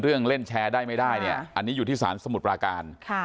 เล่นแชร์ได้ไม่ได้เนี่ยอันนี้อยู่ที่สารสมุทรปราการ